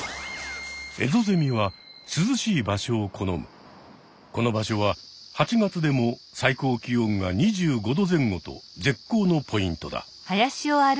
エゾゼミはこの場所は８月でも最高気温が２５度前後と絶好のポイントだ。